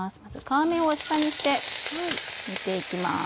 皮目を下にして入れて行きます。